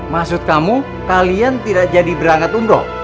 maksud kamu kalian tidak jadi berangkat umroh